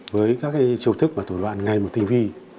với các chiêu thức và tổ đoạn ngay một tinh vi